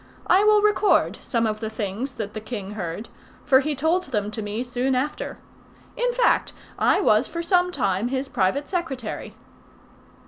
I will record some of the things that the king heard, for he told them to me soon after. In fact, I was for some time his private secretary.